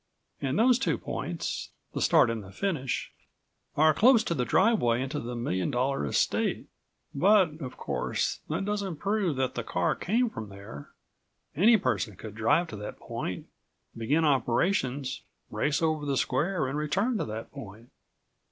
And those two points, the start and the finish, are close to the driveway into the million dollar estate. But of course that doesn't prove that the car came from there. Any person could drive to that point, begin operations, race over the square and return to the point."